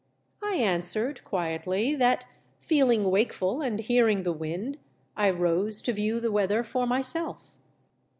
I answered, quietly, that feeling wakeful and hearing the wind, 1 rose to view the weather for myself.